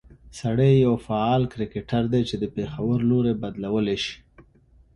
سړى يو فعال کرکټر دى، چې د پېښو لورى بدلولى شي